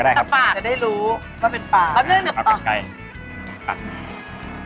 เอามันใกนิดต่อ